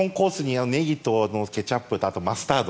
ネギとケチャップとあとマスタード。